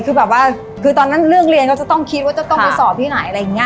คือตอนนั้นเรื่องเรียนก็ต้องคิดว่าจะต้องไปสอบที่ไหน